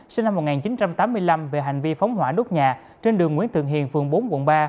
sinh năm một nghìn chín trăm tám mươi năm về hành vi phóng hỏa đốt nhà trên đường nguyễn thượng hiền phường bốn quận ba